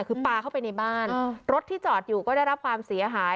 คือปลาเข้าไปในบ้านรถที่จอดอยู่ก็ได้รับความเสียหาย